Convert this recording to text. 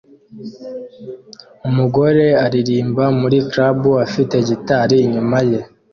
Umugore aririmba muri club afite gitari inyuma ye